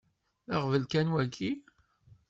D aɣbel kan waki?